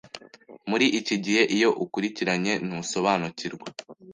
Muri iki gihe iyo ukurikiranye ntusobanukirwa